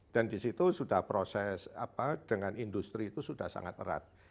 dan di situ sudah proses apa dengan industri itu sudah sangat erat